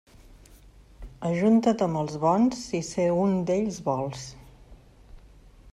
Ajunta't amb els bons, si ser un d'ells vols.